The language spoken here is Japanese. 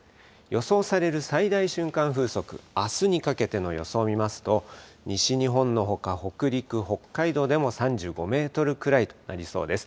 予想される最大瞬間風速、あすにかけての予想を見ますと、西日本のほか北陸、北海道でも３５メートルくらいとなりそうです。